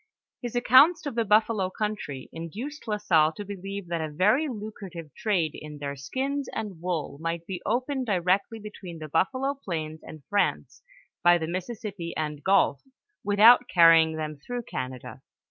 His accounts of the buffalo country, induced La Salle to believe that a very lucrative trade in their skins and wool might be opened directly between the buffalo plains and France by the Mississippi and gulf, with out carrying them through Canada.